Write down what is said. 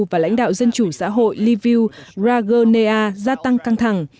và lãnh đạo dân chủ xã hội liviu ragone gia tăng căng thẳng